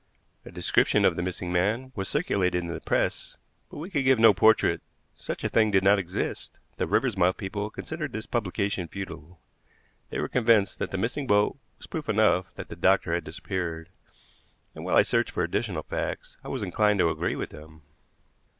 A description of the missing man was circulated in the press; but we could give no portrait; such a thing did not exist. The Riversmouth people considered this publication futile. They were convinced that the missing boat was proof enough that the doctor had disappeared, and, while I searched for additional facts, I was inclined to agree with them.